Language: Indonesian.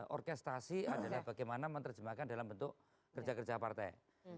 orkestrasi adalah bagaimana menerjemahkan dalam bentuk kerja kerja partai